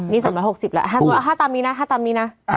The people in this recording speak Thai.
นี่๓๖๐แล้ว๕ตำนี้นะ